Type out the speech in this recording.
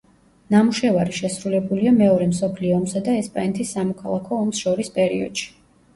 ნამუშევარი შესრულებულია მეორე მსოფლიო ომსა და ესპანეთის სამოქალაქო ომს შორის პერიოდში.